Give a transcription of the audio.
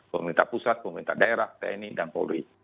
pemerintah pusat pemerintah daerah tni dan polri